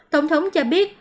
tổng thống cho biết